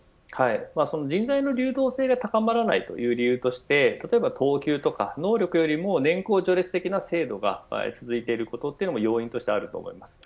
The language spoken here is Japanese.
人材の流動性が高まらないという理由として例えば等級とか、能力に年功序列的な制度が続いていることも要因だと思います。